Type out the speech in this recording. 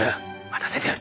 待たせてる！